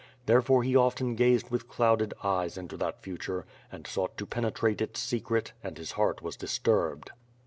There fore he often gazed with clouded eyes into that future and sought to penetrate its secret and his heart was disturbed.